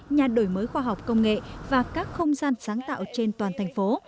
nhà đổi mới khoa học công nghệ và các không gian sáng tạo trên toàn thành phố